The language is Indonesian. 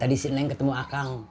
tadi si neng ketemu akang